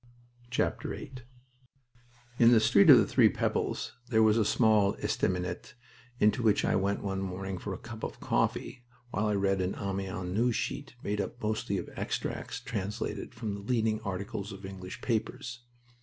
VIII In the Street of the Three Pebbles there was a small estaminet into which I went one morning for a cup of coffee, while I read an Amiens news sheet made up mostly of extracts translated from the leading articles of English papers.